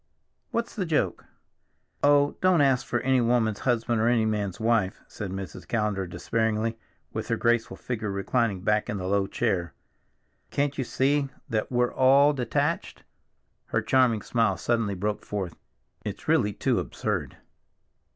What's the joke?" "Oh, don't ask for any woman's husband or any man's wife," said Mrs. Callender despairingly, with her graceful figure reclining back in the low chair. "Can't you see that we're all detached?" Her charming smile suddenly broke forth. "It's really too absurd."